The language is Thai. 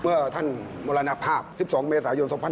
เมื่อท่านมรณภาพ๑๒เมษายน๒๕๖๒